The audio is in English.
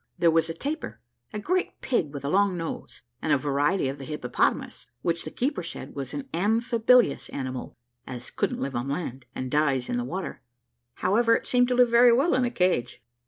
There was the tapir, a great pig with a long nose, a variety of the hippopotamus, which the keeper said was an amphibilious animal, as couldn't live on land, and dies in the water however, it seemed to live very well in a cage.